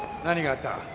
何があった？